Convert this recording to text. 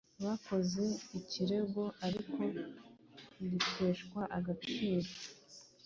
bakoze ikirego ariko giteshwa agaciro